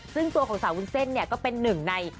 ซึ่งตัวของสาววุ้นเส้นเนี่ยก็เป็นหนึ่งใน